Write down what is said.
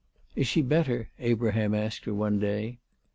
" Is she better ?" Abraham asked her one day.